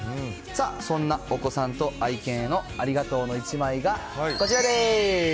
さあ、そんなお子さんと愛犬のありがとうの１枚がこちらでーす。